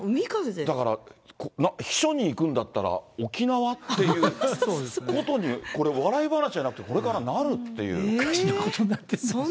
だから避暑に行くんだったら、沖縄っていうことに、これ、笑い話じゃなくて、これからなるっていう。